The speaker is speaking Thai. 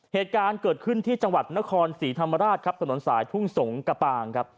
เหตุการณ์เกิดขึ้นที่จังหวัดนครศรีธรรมราชสนสายทุ่งสงศ์กะปาง